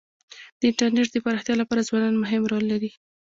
د انټرنېټ د پراختیا لپاره ځوانان مهم رول لري.